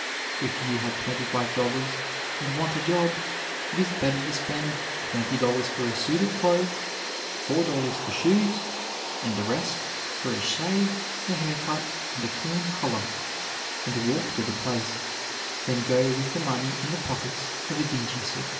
If you have twenty five dollars, and want a job, it is better to spend twenty dollars for a suit of clothes, four dollars for shoes, and the rest for a shave, a hair cut, and a clean collar, and walk to the place, than go with the money in the pockets of a dingy suit."